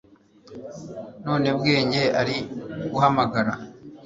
none bwenge ari guhamagara